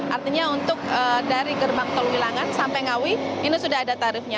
artinya untuk dari gerbang tol wilangan sampai ngawi ini sudah ada tarifnya